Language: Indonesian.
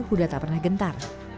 huda tak pernah gentar